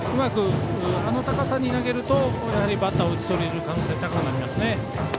あの高さに投げるとバッターを打ち取れる可能性が高くなりますね。